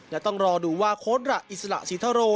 และต้องรอดูว่าโค้ดระอิสระสิทธโร